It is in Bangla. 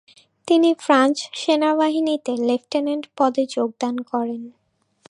তিনি ফ্রান্স সেনাবাহিনীতে লেফটেন্যান্ট পদে যোগদান করেন।